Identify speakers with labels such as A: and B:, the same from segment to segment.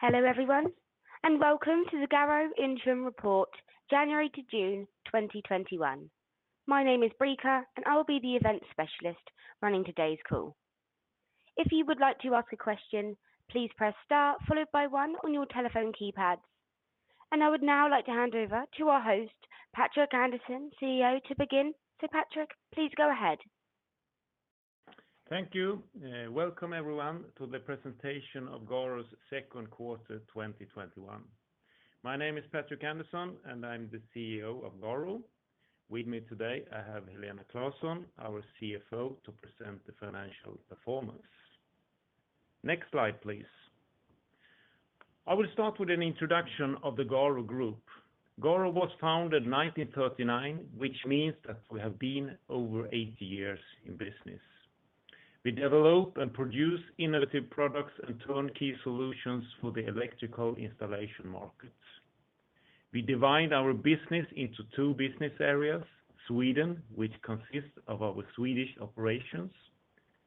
A: Hello everyone, and welcome to the Garo Interim Report January to June 2021. My name is Brica, and I will be the event specialist running today's call. If you would like to ask a question, please press star followed by one on your telephone keypads. I would now like to hand over to our host, Patrik Andersson, CEO, to begin. Patrik, please go ahead.
B: Thank you. Welcome everyone to the presentation of Garo's second quarter 2021. My name is Patrik Andersson, and I'm the CEO of Garo. With me today, I have Helena Claesson, our CFO, to present the financial performance. Next slide, please. I will start with an introduction of the Garo Group. Garo was founded in 1939, which means that we have been over 80 years in business. We develop and produce innovative products and turnkey solutions for the electrical installation markets. We divide our business into two business areas, Sweden, which consists of our Swedish operations,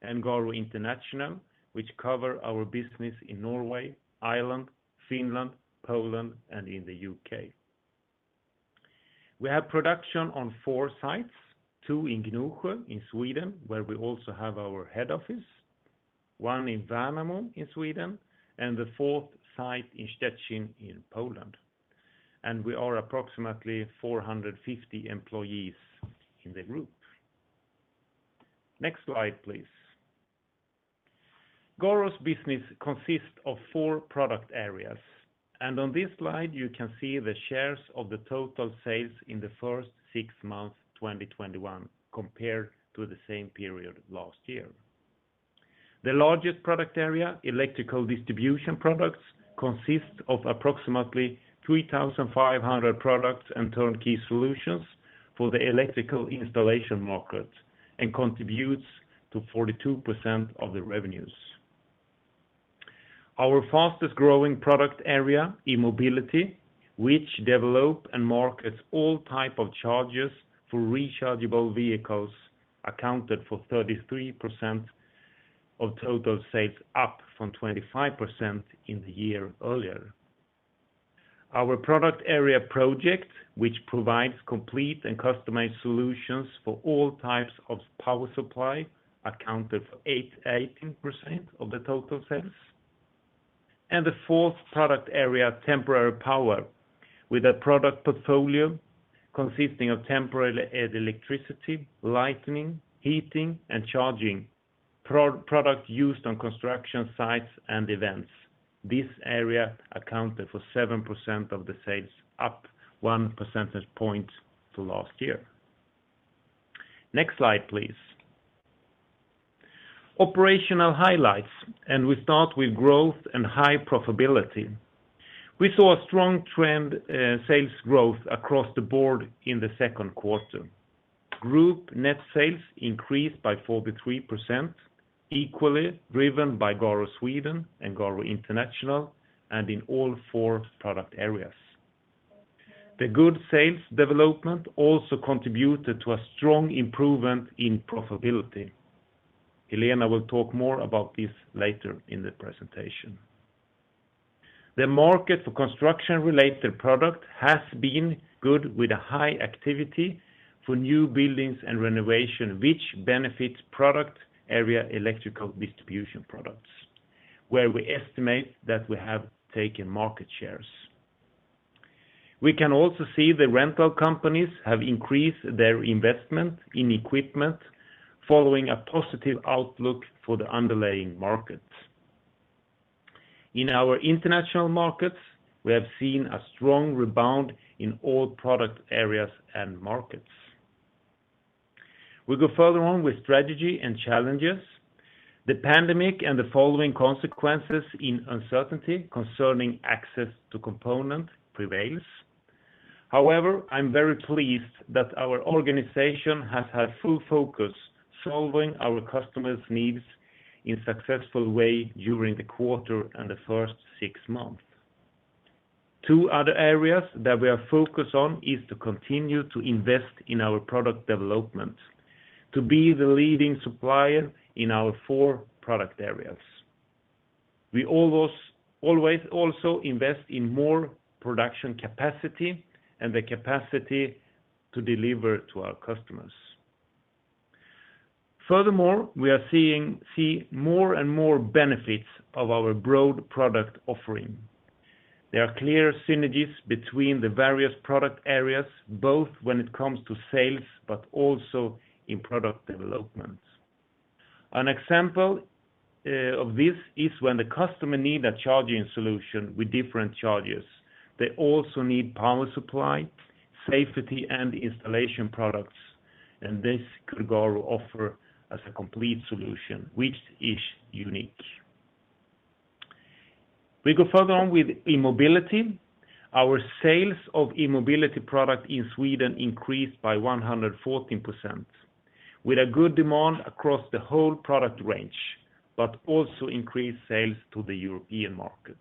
B: and Garo International, which cover our business in Norway, Ireland, Finland, Poland, and in the U.K. We have production on four sites, two in Gnosjö in Sweden, where we also have our head office, one in Värnamo in Sweden, and the fourth site in Szczecin in Poland. We are approximately 450 employees in the group. Next slide, please. Garo's business consists of four product areas, and on this slide you can see the shares of the total sales in the first 6 months 2021 compared to the same period last year. The largest product area, Electrical distribution products, consists of approximately 3,500 products and turnkey solutions for the electrical installation market and contributes to 42% of the revenues. Our fastest growing product area, E-mobility, which develop and markets all type of chargers for rechargeable vehicles, accounted for 33% of total sales, up from 25% in the year earlier. Our product area Project, which provides complete and customized solutions for all types of power supply, accounted for 18% of the total sales. The fourth product area, Temporary Power, with a product portfolio consisting of temporary electricity, lighting, heating, and charging products used on construction sites and events. This area accounted for 7% of the sales, up 1 percentage point to last year. Next slide, please. Operational highlights. We start with growth and high profitability. We saw a strong trend in sales growth across the board in the second quarter. Group net sales increased by 43%, equally driven by Garo Sweden and Garo International, and in all four product areas. The good sales development also contributed to a strong improvement in profitability. Helena will talk more about this later in the presentation. The market for construction-related products has been good with a high activity for new buildings and renovation, which benefits product area Electrical distribution products, where we estimate that we have taken market shares. We can also see the rental companies have increased their investment in equipment following a positive outlook for the underlying markets. In our international markets, we have seen a strong rebound in all product areas and markets. We go further on with strategy and challenges. The pandemic and the following consequences in uncertainty concerning access to component prevails. However, I'm very pleased that our organization has had full focus solving our customers' needs in successful way during the quarter and the first six months. Two other areas that we are focused on is to continue to invest in our product development to be the leading supplier in our four product areas. We always also invest in more production capacity and the capacity to deliver to our customers. Furthermore, we see more and more benefits of our broad product offering. There are clear synergies between the various product areas, both when it comes to sales but also in product development. An example of this is when the customer need a charging solution with different chargers, they also need power supply, safety, and installation products. This Garo offer as a complete solution, which is unique. We go further on with E-mobility. Our sales of E-mobility product in Sweden increased by 114% with a good demand across the whole product range, but also increased sales to the European markets.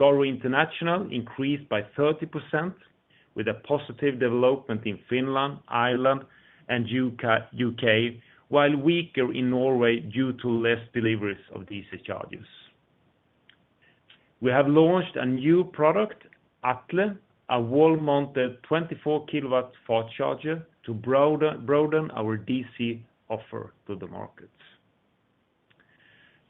B: Garo International increased by 30%, with a positive development in Finland, Ireland, and U.K., while weaker in Norway due to less deliveries of DC chargers. We have launched a new product, Atle, a wall-mounted 24 kW fast charger to broaden our DC offer to the markets.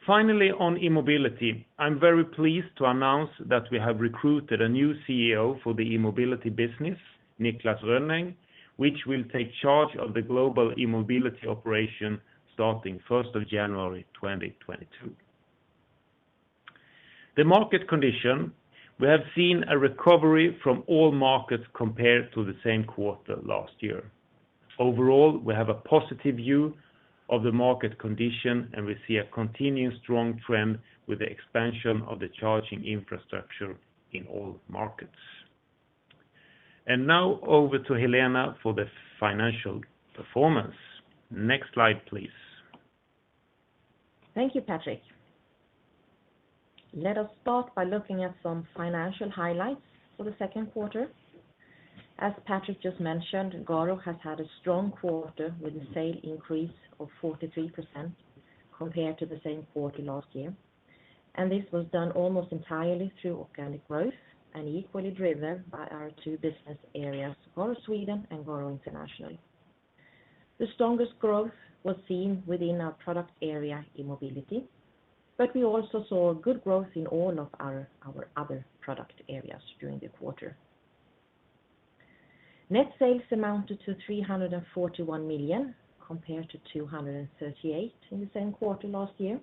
B: Finally, on E-mobility, I'm very pleased to announce that we have recruited a new CEO for the E-mobility business, Niklas Rönnäng, which will take charge of the global E-mobility operation starting 1st of January 2022. The market condition, we have seen a recovery from all markets compared to the same quarter last year. Overall, we have a positive view of the market condition, and we see a continuing strong trend with the expansion of the charging infrastructure in all markets. Now over to Helena for the financial performance. Next slide, please.
C: Thank you, Patrik. Let us start by looking at some financial highlights for the second quarter. As Patrik just mentioned, Garo has had a strong quarter with a sale increase of 43% compared to the same quarter last year. This was done almost entirely through organic growth and equally driven by our two business areas, Garo Sweden and Garo International. The strongest growth was seen within our product area, E-mobility, but we also saw good growth in all of our other product areas during the quarter. Net sales amounted to 341 million, compared to 238 million in the same quarter last year.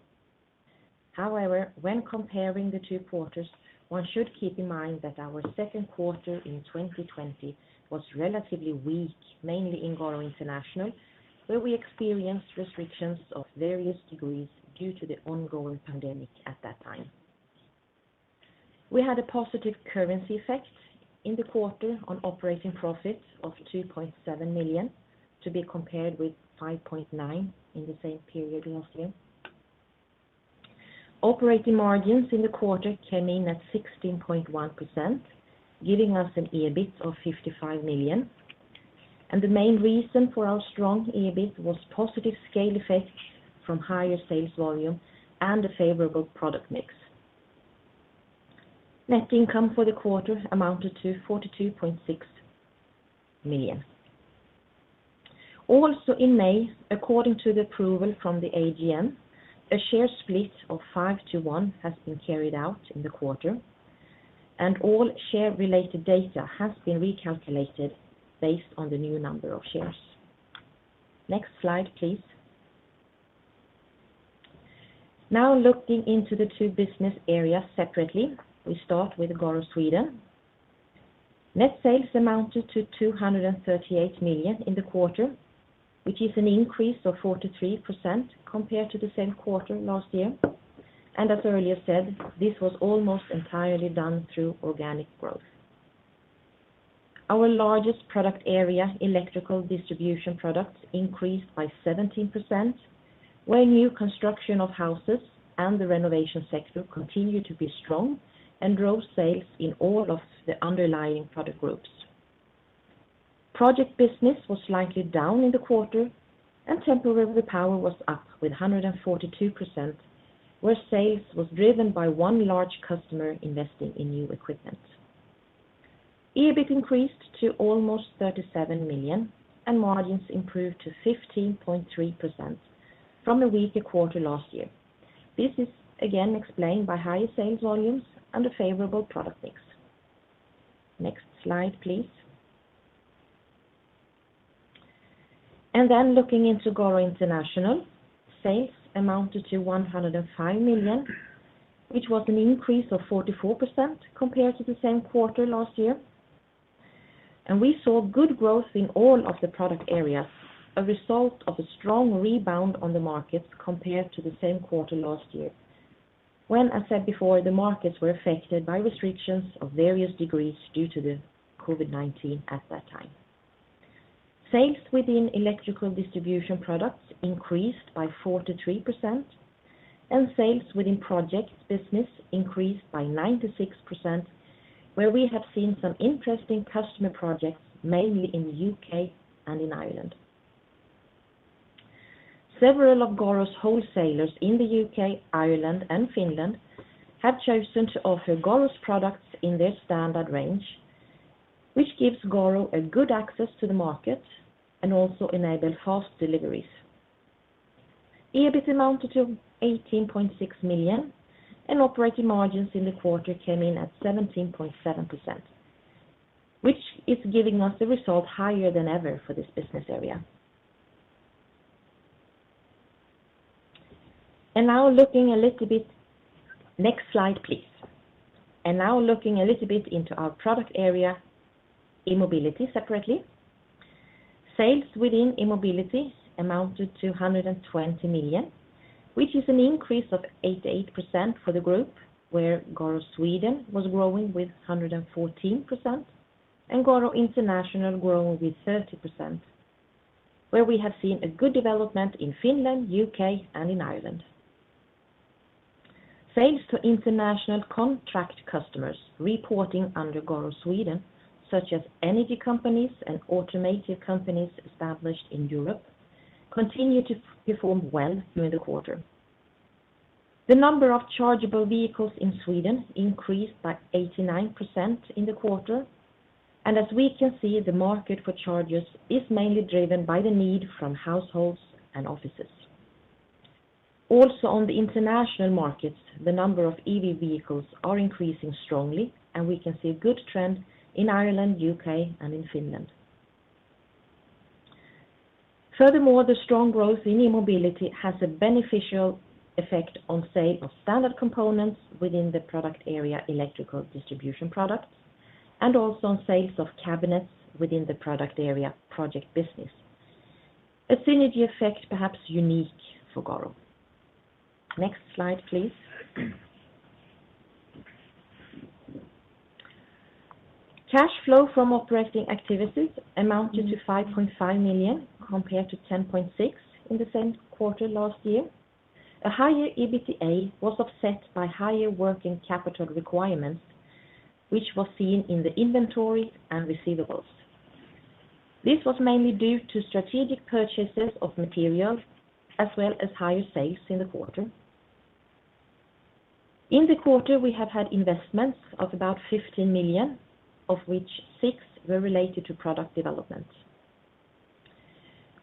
C: However, when comparing the two quarters, one should keep in mind that our second quarter in 2020 was relatively weak, mainly in Garo International, where we experienced restrictions of various degrees due to the ongoing pandemic at that time. We had a positive currency effect in the quarter on operating profit of 2.7 million, to be compared with 5.9 in the same period last year. Operating margins in the quarter came in at 16.1%, giving us an EBIT of 55 million. The main reason for our strong EBIT was positive scale effect from higher sales volume and a favorable product mix. Net income for the quarter amounted to 42.6 million. Also in May, according to the approval from the AGM, a share split of 5:1 has been carried out in the quarter, and all share-related data has been recalculated based on the new number of shares. Next slide, please. Now, looking into the two business areas separately, we start with Garo Sweden. Net sales amounted to 238 million in the quarter, which is an increase of 43% compared to the same quarter last year. As earlier said, this was almost entirely done through organic growth. Our largest product area, Electrical distribution products, increased by 17%, where new construction of houses and the renovation sector continued to be strong and drove sales in all of the underlying product groups. Project business was slightly down in the quarter, and Temporary Power was up with 142%, where sales was driven by one large customer investing in new equipment. EBIT increased to almost 37 million, and margins improved to 15.3% from the weaker quarter last year. This is again explained by higher sales volumes and a favorable product mix. Next slide, please. Then, looking into Garo International, sales amounted to 105 million, which was an increase of 44% compared to the same quarter last year. We saw good growth in all of the product areas, a result of a strong rebound on the markets compared to the same quarter last year when, as said before, the markets were affected by restrictions of various degrees due to the COVID-19 at that time. Sales within Electrical distribution products increased by 43%. Sales within Project business increased by 96%, where we have seen some interesting customer projects, mainly in the U.K. and in Ireland. Several of Garo's wholesalers in the U.K., Ireland, and Finland have chosen to offer Garo's products in their standard range, which gives Garo a good access to the market and also enable fast deliveries. EBIT amounted to 18.6 million. Operating margins in the quarter came in at 17.7%, which is giving us a result higher than ever for this business area. Next slide, please. Now looking a little bit into our product area, E-mobility, separately. Sales within E-mobility amounted to 120 million, which is an increase of 88% for the group, where Garo Sweden was growing with 114% and Garo International growing with 30%, where we have seen a good development in Finland, U.K., and in Ireland. Thanks to international contract customers reporting under Garo Sweden, such as energy companies and automotive companies established in Europe, continue to perform well through the quarter. The number of chargeable vehicles in Sweden increased by 89% in the quarter, and as we can see, the market for chargers is mainly driven by the need from households and offices. Also, on the international markets, the number of EV vehicles are increasing strongly, and we can see a good trend in Ireland, U.K., and in Finland. Furthermore, the strong growth in E-mobility has a beneficial effect on sale of standard components within the product area Electrical distribution products, and also on sales of cabinets within the product area Project business. A synergy effect perhaps unique for Garo. Next slide, please. Cash flow from operating activities amounted to 5.5 million compared to 10.6 in the same quarter last year. A higher EBITDA was offset by higher working capital requirements, which was seen in the inventory and receivables. This was mainly due to strategic purchases of materials as well as higher sales in the quarter. In the quarter, we have had investments of about 15 million, of which 6 million were related to product development.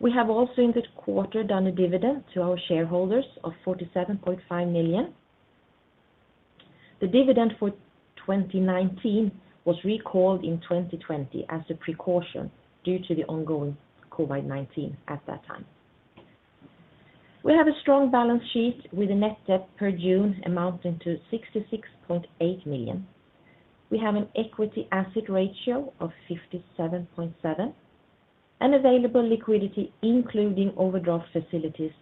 C: We have also in this quarter done a dividend to our shareholders of 47.5 million. The dividend for 2019 was recalled in 2020 as a precaution due to the ongoing COVID-19 at that time. We have a strong balance sheet with a net debt per June amounting to 66.8 million. We have an equity asset ratio of 57.7% and available liquidity, including overdraft facilities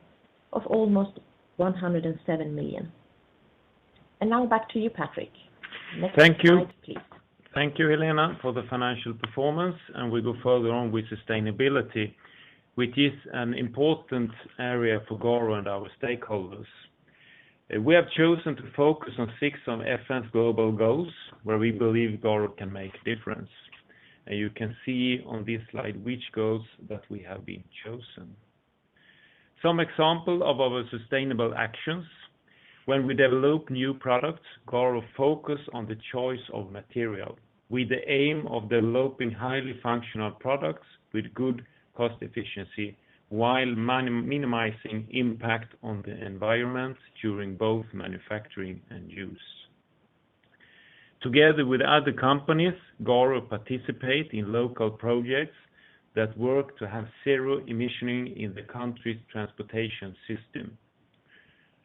C: of almost 107 million. Now back to you, Patrik. Next slide, please.
B: Thank you, Helena, for the financial performance. We go further on with sustainability, which is an important area for Garo and our stakeholders. We have chosen to focus on six of [UN's] global goals where we believe Garo can make a difference. You can see on this slide which goals that we have been chosen. Some example of our sustainable actions. When we develop new products, Garo focus on the choice of material with the aim of developing highly functional products with good cost efficiency while minimizing impact on the environment during both manufacturing and use. Together with other companies, Garo participate in local projects that work to have zero emission in the country's transportation system.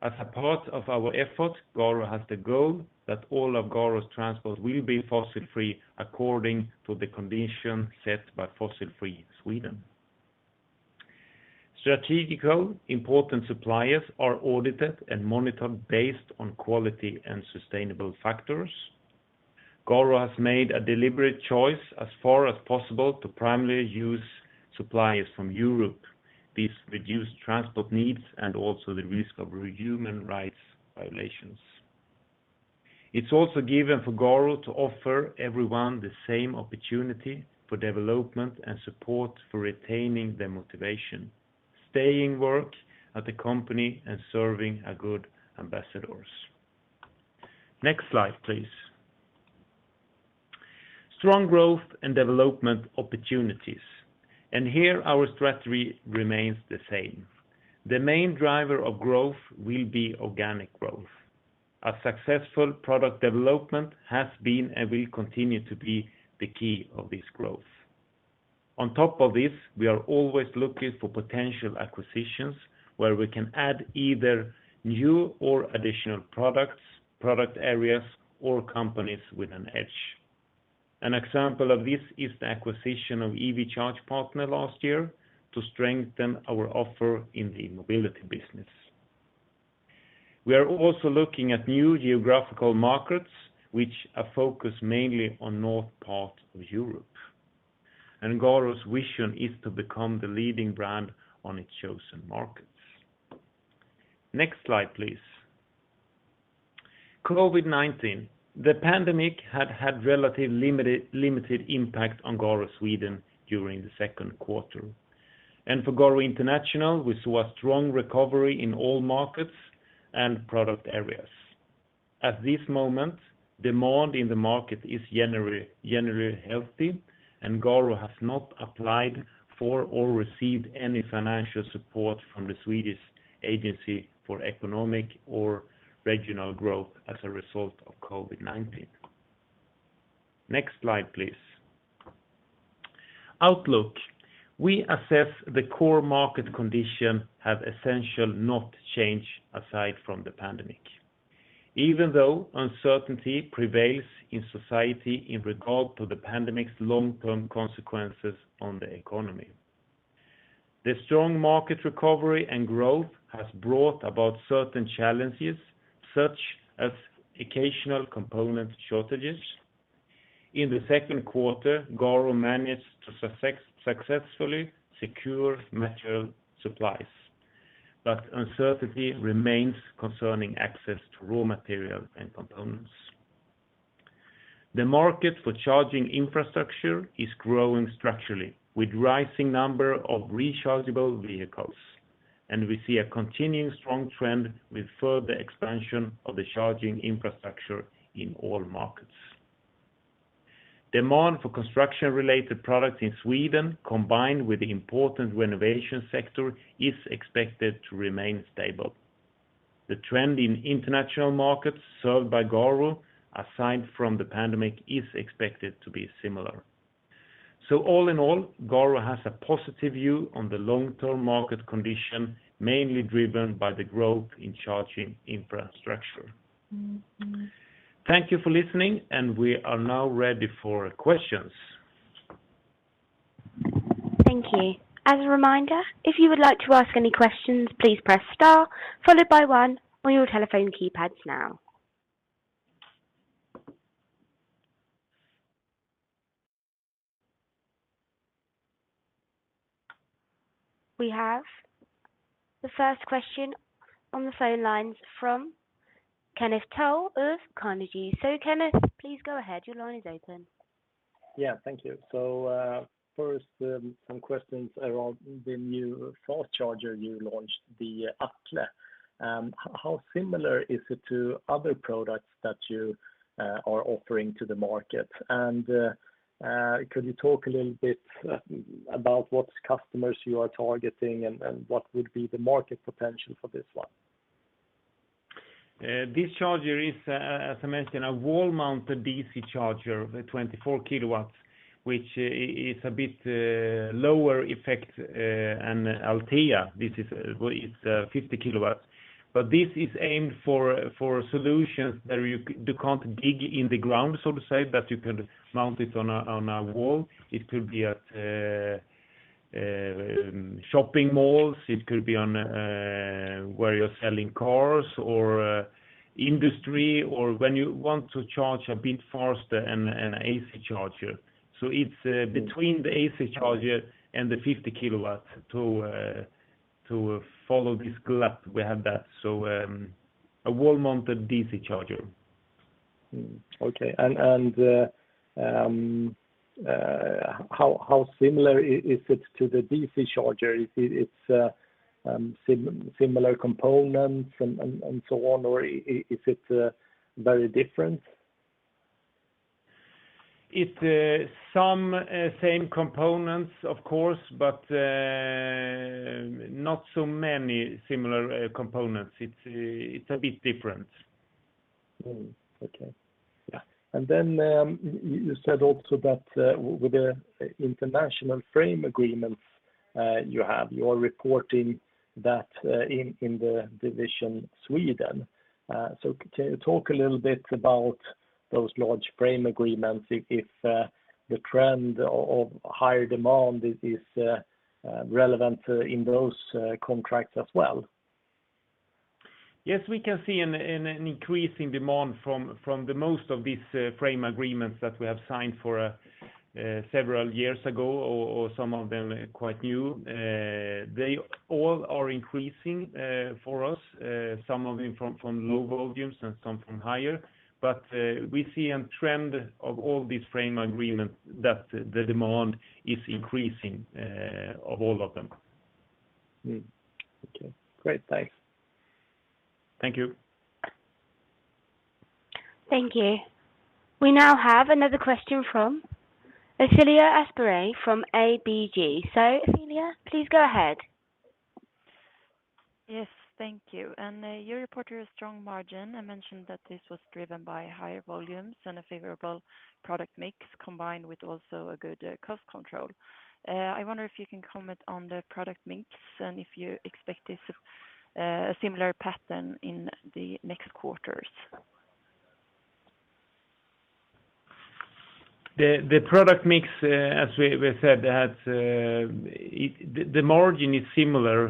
B: As a part of our effort, Garo has the goal that all of Garo's transports will be fossil-free according to the conditions set by Fossil Free Sweden. Strategic important suppliers are audited and monitored based on quality and sustainable factors. Garo has made a deliberate choice as far as possible to primarily use suppliers from Europe. This reduced transport needs and also the risk of human rights violations. It's also given for Garo to offer everyone the same opportunity for development and support for retaining their motivation, staying work at the company and serving a good ambassadors. Next slide, please. Strong growth and development opportunities, and here our strategy remains the same. The main driver of growth will be organic growth. A successful product development has been and will continue to be the key of this growth. On top of this, we are always looking for potential acquisitions where we can add either new or additional products, product areas, or companies with an edge. An example of this is the acquisition of EV Charge Partner last year to strengthen our offer in the mobility business. We are also looking at new geographical markets, which are focused mainly on north part of Europe. Garo's vision is to become the leading brand on its chosen markets. Next slide, please. COVID-19. The pandemic had relative limited impact on Garo Sweden during the second quarter. For Garo International, we saw a strong recovery in all markets and product areas. At this moment, demand in the market is generally healthy, and Garo has not applied for or received any financial support from the Swedish Agency for Economic and Regional Growth as a result of COVID-19. Next slide, please. Outlook. We assess the core market condition have essentially not changed aside from the pandemic, even though uncertainty prevails in society in regard to the pandemic's long-term consequences on the economy. The strong market recovery and growth has brought about certain challenges such as occasional component shortages. In the second quarter, Garo managed to successfully secure material supplies, but uncertainty remains concerning access to raw materials and components. The market for charging infrastructure is growing structurally with rising number of rechargeable vehicles, and we see a continuing strong trend with further expansion of the charging infrastructure in all markets. Demand for construction-related products in Sweden, combined with the important renovation sector, is expected to remain stable. The trend in international markets served by Garo, aside from the pandemic, is expected to be similar. All in all, Garo has a positive view on the long-term market condition, mainly driven by the growth in charging infrastructure. Thank you for listening, and we are now ready for questions.
A: Thank you. As a reminder, if you would like to ask any questions, please press star followed by one on your telephone keypads now. We have the first question on the phone lines from Kenneth Toll of Carnegie. Kenneth, please go ahead. Your line is open.
D: Yeah, thank you. First, some questions around the new fast charger you launched, the Atle. How similar is it to other products that you are offering to the market? Could you talk a little bit about what customers you are targeting and what would be the market potential for this one?
B: This charger is, as I mentioned, a wall-mounted DC charger, 24 kW, which is a bit lower effect than Althea. This is 50 kW. This is aimed for solutions that you can't dig in the ground, so to say, but you can mount it on a wall. It could be at shopping malls, it could be where you're selling cars or industry, or when you want to charge a bit faster than an AC charger. It's between the AC charger and the 50 kW. To follow this gap, we have that. A wall-mounted DC charger.
D: Okay. How similar is it to the DC charger? It's similar components and so on, or is it very different?
B: It's some same components, of course, but not so many similar components. It's a bit different.
D: Okay.
B: Yeah.
D: Then, you said also that with the international frame agreements you have, you're reporting that in the division Garo Sweden. Talk a little bit about those large frame agreements, if the trend of higher demand is relevant in those contracts as well.
B: Yes, we can see an increase in demand from the most of these frame agreements that we have signed for several years ago, or some of them are quite new. They all are increasing for us, some of them from low volumes and some from higher. We see in trend of all these frame agreements that the demand is increasing of all of them.
D: Okay. Great. Thanks.
B: Thank you.
A: Thank you. We now have another question from Ofelia Aspemyr from ABG. Ofelia, please go ahead.
E: Yes. Thank you. You reported a strong margin and mentioned that this was driven by higher volumes and a favorable product mix combined with also a good cost control. I wonder if you can comment on the product mix and if you expect a similar pattern in the next quarters.
B: The product mix, as we said, the margin is similar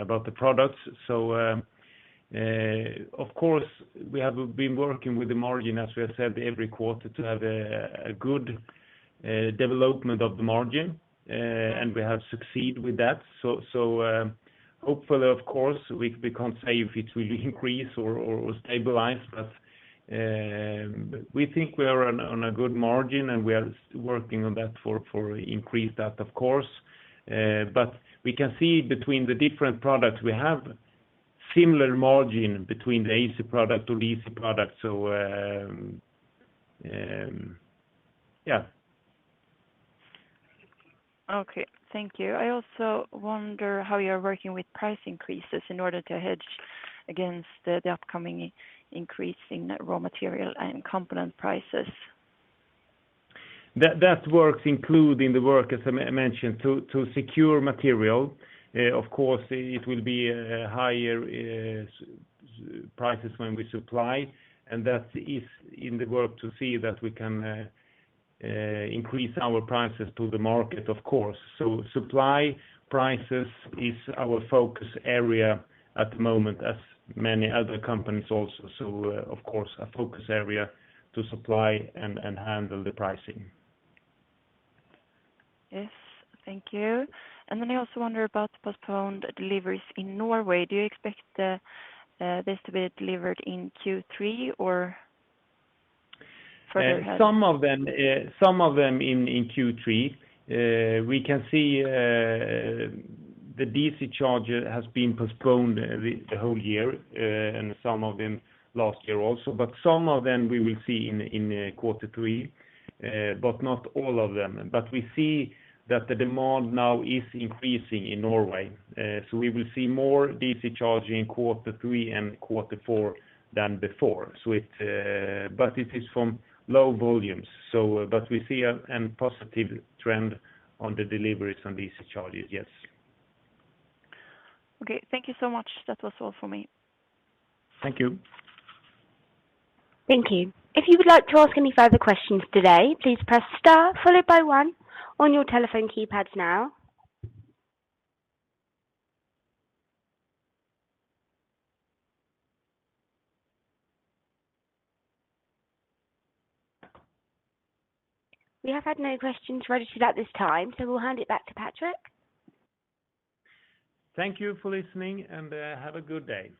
B: about the products. Of course, we have been working with the margin, as we have said, every quarter to have a good development of the margin, and we have succeeded with that. Hopefully, of course, we can't say if it will increase or stabilize, but we think we are on a good margin and we are working on that for increase that, of course. We can see between the different products we have similar margin between the AC product to the DC product. Yeah.
E: Okay. Thank you. I also wonder how you're working with price increases in order to hedge against the upcoming increase in raw material and component prices.
B: That works including the work, as I mentioned, to secure material. Of course, it will be higher prices when we supply, and that is in the work to see that we can increase our prices to the market, of course. Supply prices is our focus area at the moment as many other companies also. Of course, a focus area to supply and handle the pricing.
E: Yes. Thank you. I also wonder about the postponed deliveries in Norway. Do you expect this to be delivered in Q3 or further ahead?
B: Some of them in Q3. We can see the DC charger has been postponed the whole year, and some of them last year also, but some of them we will see in quarter three, but not all of them. We see that the demand now is increasing in Norway. We will see more DC charging quarter three and quarter four than before. It is from low volumes. We see a positive trend on the deliveries on DC chargers, yes.
E: Okay. Thank you so much. That was all for me.
B: Thank you.
A: Thank you. If you would like to ask any further questions today, please press star followed by one on your telephone keypads now. We have had no questions registered at this time, so we'll hand it back to Patrik.
B: Thank you for listening and have a good day.